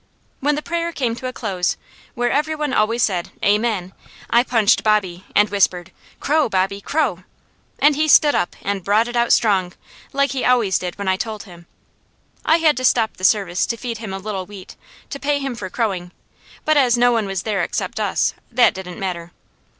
When the prayer came to a close, where every one always said "Amen," I punched Bobby and whispered, "Crow, Bobby, crow!" and he stood up and brought it out strong, like he always did when I told him. I had to stop the service to feed him a little wheat, to pay him for crowing; but as no one was there except us, that didn't matter.